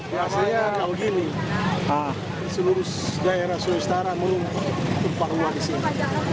biasanya kalau gini seluruh daerah sulawesi tara memiliki tempat luar di sini